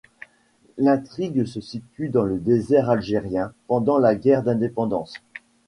L'intrigue se situe dans le désert algérien pendant la guerre d'indépendance.